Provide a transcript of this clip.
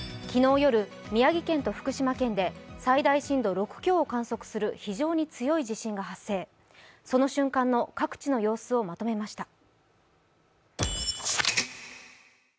昨日夜、宮城県と福島県で最大震度６強を観測する非常に強い地震が発生、その瞬間の各地の様子をまとめました。